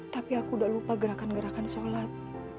tapi aku tidak lupa gerakan gerakan sholat